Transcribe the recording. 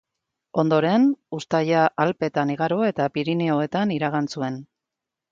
Ondoren, uztaila Alpeetan igaro eta Pirinioetan iragan zuen.